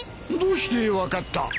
どうして分かった？